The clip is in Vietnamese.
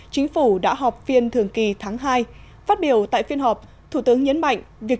chính phủ đã họp phiên thường kỳ tháng hai phát biểu tại phiên họp thủ tướng nhấn mạnh việc